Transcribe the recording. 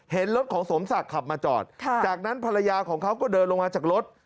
เห็นรถของสมศักดิ์ขับมาจอดจากนั้นภรรยาของเขาก็เดินลงมาจากรถ